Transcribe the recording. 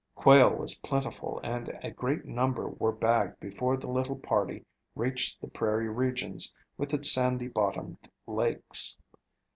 Quail was plentiful and a great number were bagged before the little party reached the prairie regions with its sandy bottomed lakes.